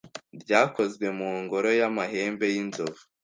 ryakozwe mu ngoro yamahembe yinzovu